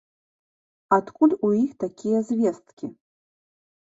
Адкуль у іх такія звесткі?